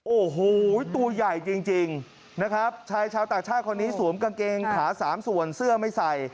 โอ้โหตัวใหญ่จริงนะครับชายชาวต่างชาติคนนี้สวมกางเกงขาสามส่วนเสื้อไม่ใส่